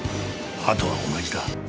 あとは同じだ。